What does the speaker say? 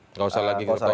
nggak usah lagi ketua umum